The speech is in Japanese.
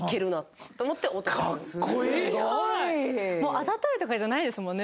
あざといとかじゃないですもんね。